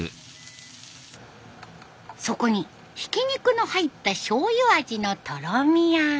そこにひき肉の入ったしょうゆ味のとろみあん。